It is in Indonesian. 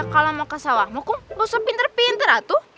kalau mau kesawah tidak usah pinter pinter